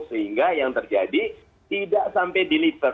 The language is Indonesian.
sehingga yang terjadi tidak sampai di liter